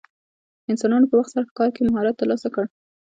انسانانو په وخت سره ښکار کې مهارت ترلاسه کړ.